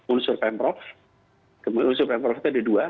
unsur pemprov kemudian unsur pemprov itu ada dua